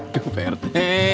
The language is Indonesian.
aduh pak arte